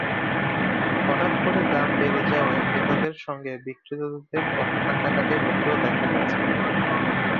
হঠাৎ করে দাম বেড়ে যাওয়ায় ক্রেতাদের সঙ্গে বিক্রেতাদের কথা-কাটাকাটি হতেও দেখা গেছে।